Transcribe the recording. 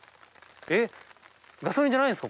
えっ？